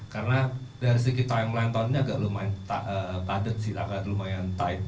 karena dari segi time length onnya agak lumayan padat sih agak lumayan tight